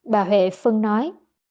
bà huệ phân nói